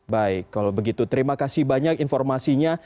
baik kalau begitu terima kasih banyak informasinya